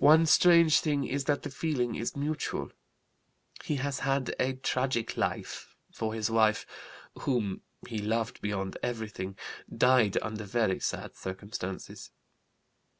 One strange thing is that the feeling is mutual. He has had a tragic life, for his wife, whom he loved beyond everything, died under very sad circumstances.